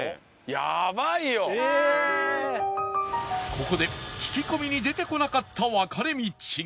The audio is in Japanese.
ここで聞き込みに出てこなかった分かれ道が